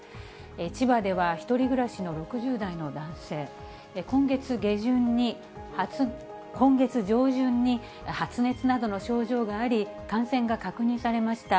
千葉では１人暮らしの６０代の男性、今月上旬に、発熱などの症状があり、感染が確認されました。